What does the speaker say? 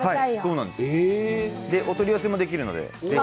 お取り寄せもできるので、ぜひ。